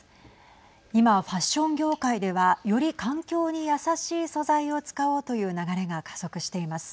今ファッション業界ではより環境に優しい素材を使おうという流れが加速しています。